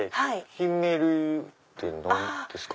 ヒンメリって何ですか？